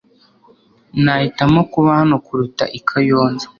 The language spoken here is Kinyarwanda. Nahitamo kuba hano kuruta i Kayonza .